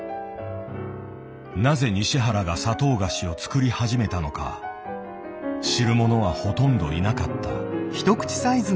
なぜ西原が砂糖菓子を作り始めたのか知る者はほとんどいなかった。